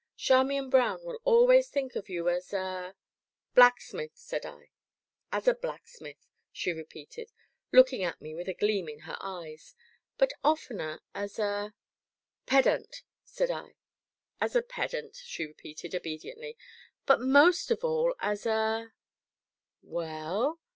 "Charmian Brown will always think of you as a " "Blacksmith!" said I. "As a blacksmith!" she repeated, looking at me with a gleam in her eyes, "but oftener as a " "Pedant!" said I. "As a pedant!" she repeated obediently, "but most of all as a " "Well?"